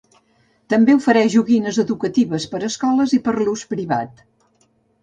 També ofereix joguines educatives per a escoles i per a l'ús privat.